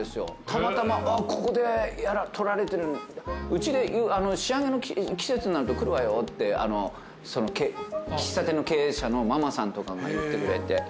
たまたまここで撮られてうちで仕上げの季節になると来るわよって喫茶店の経営者のママさんとかが言ってくれて。